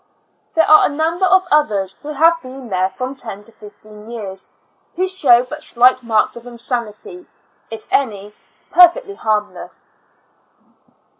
There are a number of others who have been there from ten to fifteen years, who show but slight marks of insanit}^; if any, perfectly harmless.